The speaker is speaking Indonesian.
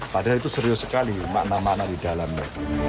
padahal itu serius sekali makna makna di dalamnya